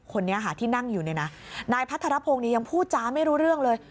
คนนี้ค่ะที่นั่งอยู่เนี่ยนะนายพัทรพงศ์ยังพูดจ้าไม่รู้เรื่องเลย